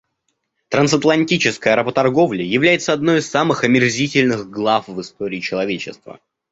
Трансатлантическая работорговля является одной из самых омерзительных глав в истории человечества.